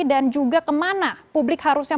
dan juga kemana publik harusnya